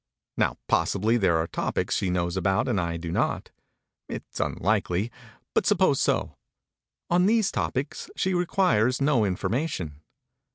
Now, possibly there are topics she knows about and I do not it is unlikely, but suppose so; on these topics she requires no information.